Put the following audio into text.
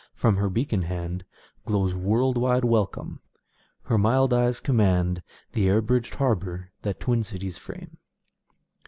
From her beacon handGlows world wide welcome; her mild eyes commandThe air bridged harbour that twin cities frame.